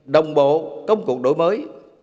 đồng bộ công cuộc đổi mới